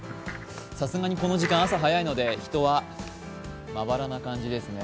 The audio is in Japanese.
さすがにこの時間、朝早いので人はまばらな感じですね。